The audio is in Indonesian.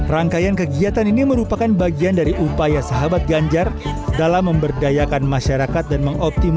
rangkaian kegiatan ini merupakan bagian dari upaya sahabat ganjar dalam memberdayakan masyarakat dan mengoptimalkan